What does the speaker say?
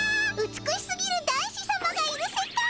美しすぎる男子さまがいる世界！